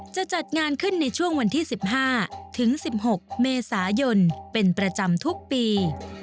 จะจัดงานขึ้นในช่วงวันที่๑๕ถึง๑๖เมษายนเป็นประจำทุกปี